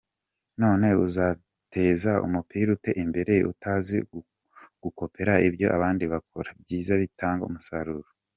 None uzateza umupira ute imbere utazi gukopera ibyo abandi bakora byiza bitanga umusaruro?